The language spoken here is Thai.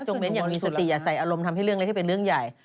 เน้นอย่างมีสติอย่าใส่อารมณ์ทำให้เรื่องเล็กที่เป็นเรื่องใหญ่